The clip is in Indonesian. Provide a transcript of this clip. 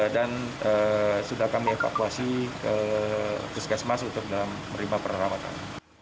dan sudah kami evakuasi ke kuskesmas untuk dalam merima perkhidmatan